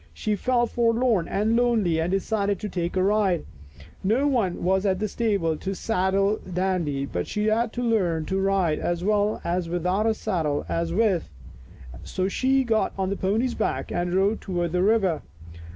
She felt forlorn and lonely and decided to take a ride. No one was at the stable to saddle Dandy, but she had learned to ride as well without a saddle as with, so she got on the pony's back and rode toward the river.